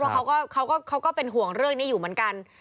เพราะเขาก็เป็นห่วงเรื่องนี้อยู่เหมือนกัน